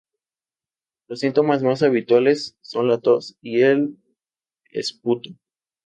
Los síntomas más habituales son la tos y el esputo.